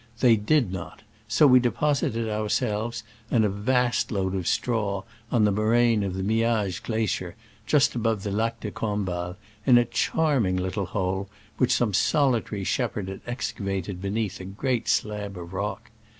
They did not, so we deposited ourselves and a vast load of straw on the moraine of the Miage Glacier, just above the Lac de Combal, in a charming Utde hole which some solitary shepherd had excavated beneath a great slab of rock.